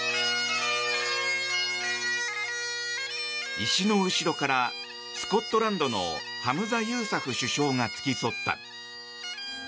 石の後ろからスコットランドのハムザ・ユーサフ首相が付き添った。